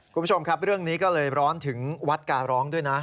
คุณผู้ชมครับเรื่องนี้ก็เลยร้อนถึงวัดการร้องด้วยนะ